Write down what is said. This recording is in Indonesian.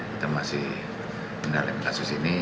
kita masih mendalami kasus ini